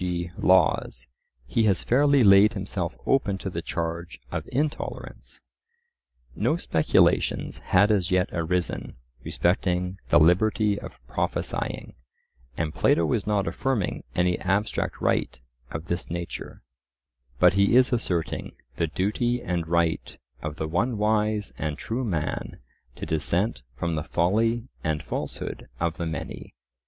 g. Laws), he has fairly laid himself open to the charge of intolerance. No speculations had as yet arisen respecting the "liberty of prophesying;' and Plato is not affirming any abstract right of this nature: but he is asserting the duty and right of the one wise and true man to dissent from the folly and falsehood of the many.